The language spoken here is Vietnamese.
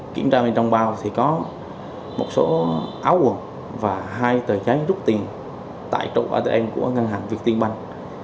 kiểm tra bên trong bao thì có một số áo quần và hai tờ trái rút tiền tại trộm atm của ngân hàng việt tiên banh